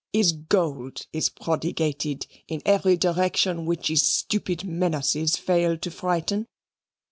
His gold is prodigated in every direction which his stupid menaces fail to frighten.